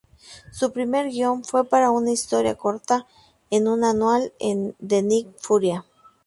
Su primer guion fue para una historia corta en un Annual de Nick Furia.